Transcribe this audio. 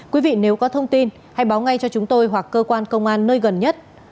quý vị nếu có thông tin hãy báo ngay cho chúng tôi hoặc cơ quan công an nơi gần nhất